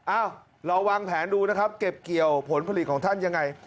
อ้าวเราวางแผนดูนะครับเก็บเกี่ยวผลผลิตของท่านยังไง